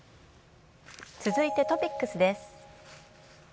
続いてトピックスです。